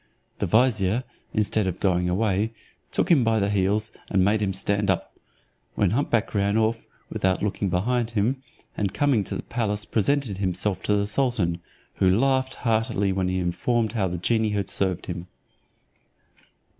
The vizier. instead of going away, took him by the heels, and made him stand up, when hump back ran off, without looking behind him; and coming to the palace presented himself to the sultan, who laughed heartily when informed how the genie had served him.